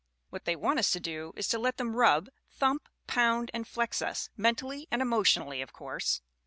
What they want us to do is to let them rub, thump, pound and flex us mentally and emotionally, of course.